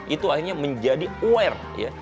itu akhirnya menjadi aware